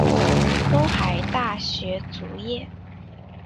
东海大学卒业。